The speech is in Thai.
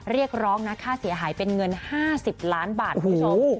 เรียกร้องนะค่าเสียหายเป็นเงิน๕๐ล้านบาทคุณผู้ชม